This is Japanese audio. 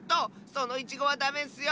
そのイチゴはダメッスよ！